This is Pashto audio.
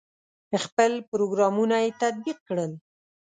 خپل پروګرامونه یې تطبیق کړل.